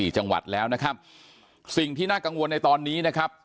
จังหวัดแล้วนะครับสิ่งที่น่ากังวลในตอนนี้นะครับ